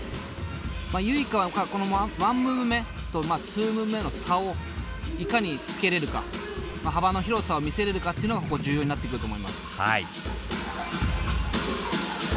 Ｙｕｉｋａがこの１ムーブ目と２ムーブ目の差をいかにつけれるか幅の広さを見せれるかっていうのが重要になってくると思います。